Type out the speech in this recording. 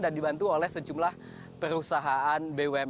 dan dibantu oleh sejumlah perusahaan bumn